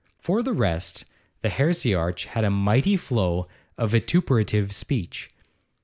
For the rest, the heresiarch had a mighty flow of vituperative speech.